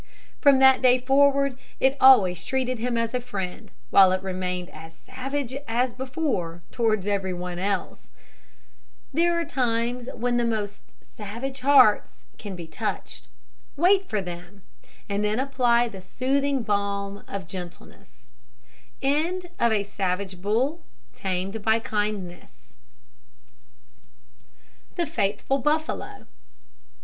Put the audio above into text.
From that day forward it always treated him as a friend, while it remained as savage as before towards every one else. There are times when the most savage hearts can be touched. Wait for them, and then apply the soothing balm of gentleness. THE FAITHFUL BUFFALO.